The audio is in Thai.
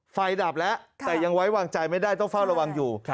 ดับแล้วแต่ยังไว้วางใจไม่ได้ต้องเฝ้าระวังอยู่